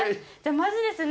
まずですね